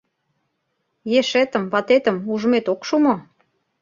— Ешетым, ватетым ужмет ок шу мо?»